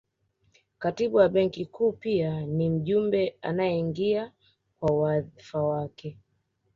Katibu wa Benki Kuu pia ni mjumbe anayeingia kwa wadhifa wake